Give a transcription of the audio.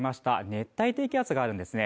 熱帯低気圧があるんですね